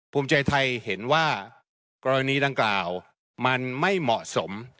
ภูมิใจไทยเห็นว่ากรณีดังกล่าวมันไม่เหมาะสม